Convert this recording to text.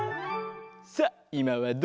さあいまはどうかな？